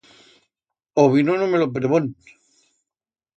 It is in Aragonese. O vino no me lo privón.